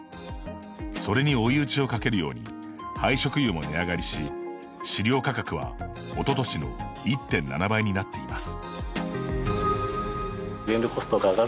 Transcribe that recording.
それに追い打ちをかけるように廃食油も値上がりし飼料価格は、おととしの１．７倍になっています。